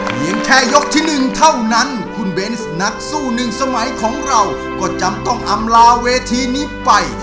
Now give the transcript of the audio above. เพียงแค่ยกที่หนึ่งเท่านั้นคุณเบนส์นักสู้หนึ่งสมัยของเราก็จำต้องอำลาเวทีนี้ไป